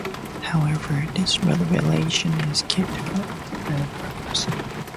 However, this revelation is kept from the protagonist.